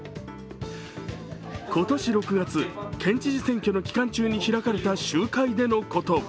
今年６月、県知事選挙の期間中に開かれた集会でのこと。